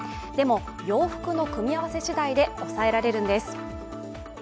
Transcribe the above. でも、洋服の組み合わせしだいで抑えられるんです。